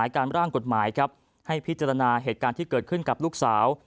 การร่างกฎหมายครับให้พิจารณาเหตุการณ์ที่เกิดขึ้นกับลูกสาว